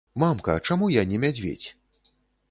Мамка, чаму я не мядзведзь?